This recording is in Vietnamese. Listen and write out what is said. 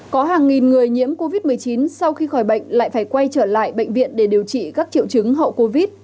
có hàng nghìn người nhiễm covid một mươi chín sau khi khỏi bệnh lại phải quay trở lại bệnh viện để điều trị các triệu chứng hậu covid